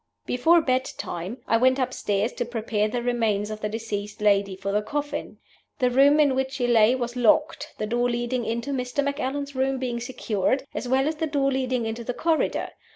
"Before bed time I went upstairs to prepare the remains of the deceased lady for the coffin. The room in which she lay was locked, the door leading into Mr. Macallan's room being secured, as well as the door leading into the corridor.